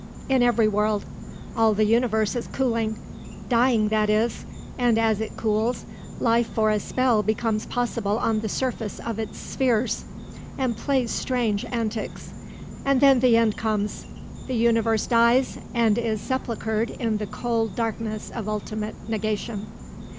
"In every world. All the universe is cooling dying, that is, and as it cools, life for a spell becomes possible on the surface of its spheres, and plays strange antics. And then the end comes; the universe dies and is sepulchred in the cold darkness of ultimate negation."